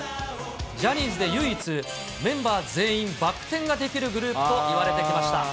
ジャニーズで唯一、メンバー全員バック転ができるグループといわれてきました。